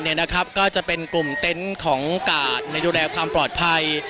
ใกล้กันก็จะเป็นกลุ่มเต็นท์ของก่าศโดยแรกความปลอดภัย